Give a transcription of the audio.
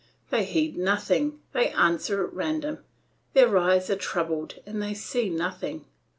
They heed nothing, they answer at random; their eyes are troubled and they see nothing.